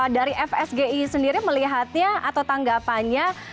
dari fsgi sendiri melihatnya atau tanggapannya